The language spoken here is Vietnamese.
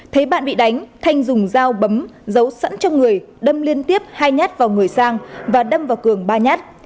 thấy bạn bị đánh thanh dùng dao bấm giấu sẵn trong người đâm liên tiếp hai nhát vào người sang và đâm vào cường ba nhát